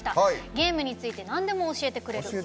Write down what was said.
ゲームについてなんでも教えてくれる。